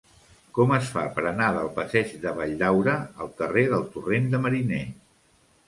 Com es fa per anar del passeig de Valldaura al carrer del Torrent de Mariner?